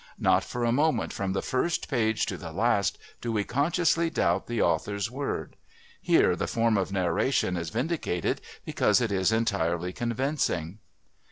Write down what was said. Not for a moment from the first page to the last do we consciously doubt the author's word.... Here the form of narration is vindicated because it is entirely convincing.